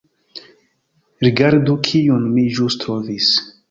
Rigardu kiun mi ĵus trovis